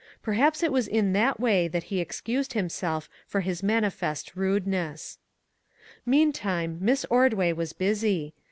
Perhaps it was in that way that he excused himself for his manifest rudeness. Meantime, Miss Ordway was busy.